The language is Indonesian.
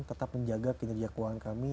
tetap menjaga kinerja keuangan kami